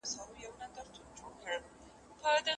نظرونه دي زر وي خو بیرغ باید یو وي.